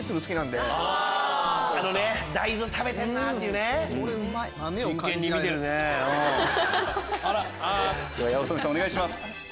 では八乙女さんお願いします。